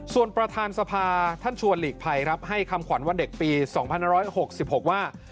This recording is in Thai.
ส่วนประธานสภาท่านชวนหลีกภัยรับให้คำขวัญวันเด็กปีสองพันร้อยหกสิบหกว่า